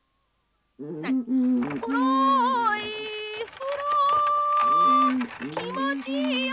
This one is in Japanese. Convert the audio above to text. ふろふろきもちいいよ。